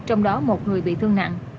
trong đó một người bị thương nặng